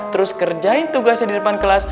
terus kerjain tugasnya di depan kelas